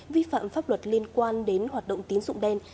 vi phạm pháp luật liên quan đến hoạt động tín dụng đen